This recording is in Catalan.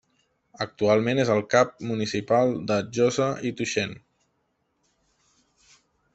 Actualment és el cap municipal de Josa i Tuixén.